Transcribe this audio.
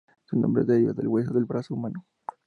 Su nombre deriva del hueso del brazo humano.